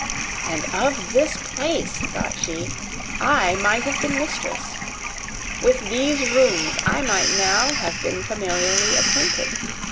"And of this place," thought she, "I might have been mistress! With these rooms I might have now been familiarly acquainted!